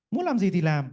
muốn làm gì thì làm